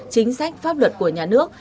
chính sách pháp luật của nhà nước